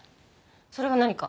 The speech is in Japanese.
それが何か？